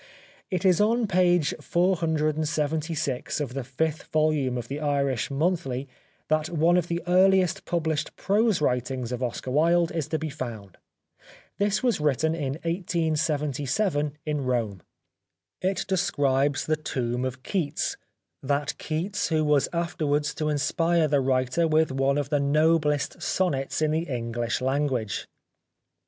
' It is on page 476 of the fifth volume of The Irish Monthly that one of the earliest published prose writings of Oscar Wilde is to be found. This was written in 1877 in Rome. It describes the Tomb of Keats, that Keats who was after wards to inspire the writer with one of the noblest sonnets in the EngUsh language.